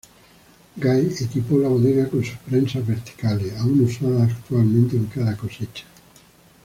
Guy equipó la bodega con sus prensas verticales, aún usadas actualmente en cada cosecha.